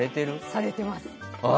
されてます。